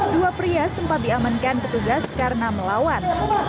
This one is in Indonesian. dua pria sempat diamankan petugas karena melawan